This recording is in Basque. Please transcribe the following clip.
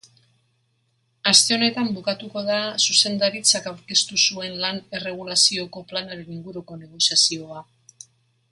Aste honetan bukatuko da zuzendaritzak aurkeztu zuen lan-erregulazioko planaren inguruko negoziazioa.